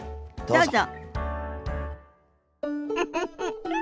どうぞ。